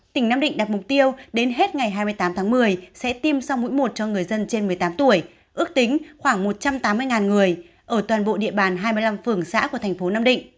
tỉnh nam định đặt mục tiêu đến hết ngày hai mươi tám tháng một mươi sẽ tiêm sau mũi một cho người dân trên một mươi tám tuổi ước tính khoảng một trăm tám mươi người ở toàn bộ địa bàn hai mươi năm phường xã của thành phố nam định